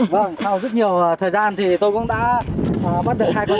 vâng sau rất nhiều thời gian thì tôi cũng đã bắt được hai con con